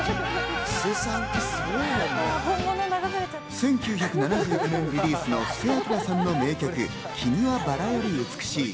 １９７９年リリースの布施明さんの名曲『君は薔薇より美しい』。